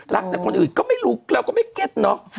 แต่คนอื่นก็ไม่รู้เราก็ไม่เก็ตเนอะ